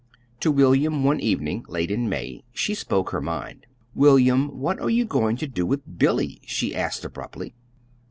To William one evening, late in May, she spoke her mind. "William, what are you going to do with Billy?" she asked abruptly.